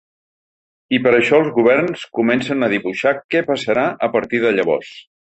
I per això els governs comencen a dibuixar què passarà a partir de llavors.